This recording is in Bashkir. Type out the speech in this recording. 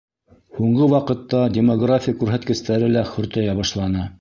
Һуңғы ваҡытта демография күрһәткестәре лә хөртәйә башланы.